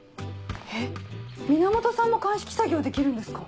えっ源さんも鑑識作業できるんですか？